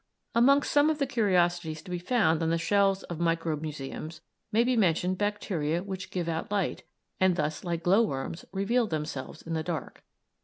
Amongst some of the curiosities to be found on the shelves of microbe museums may be mentioned bacteria which give out light, and thus, like glowworms, reveal themselves in the dark.